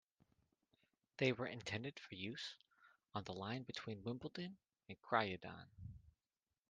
They were intended for use on the line between Wimbledon and Croydon.